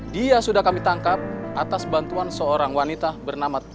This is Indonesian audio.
dia sudah kami tangkap atas bantuan seorang wanita bernama tun